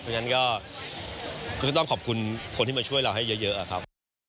เพราะฉะนั้นก็ต้องขอบคุณคนที่มาช่วยเราให้เยอะครับ